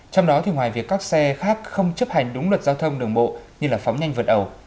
trong đó thì ngoài việc các xe khác không chấp hành đúng luật giao thông đường bộ như phóng nhanh vượt ẩu